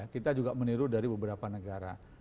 kita juga meniru dari beberapa negara